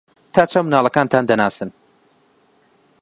تا چەند منداڵەکانتان دەناسن؟